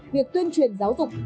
việc tuyên truyền giáo dục